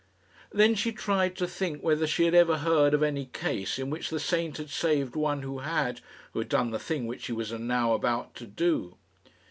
Then she tried to think whether she had ever heard of any case in which the saint had saved one who had who had done the thing which she was now about to do.